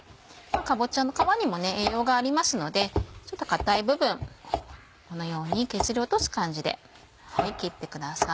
かぼちゃの皮にも栄養がありますのでちょっと硬い部分このように削り落とす感じで切ってください。